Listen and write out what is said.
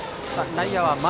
内野は前。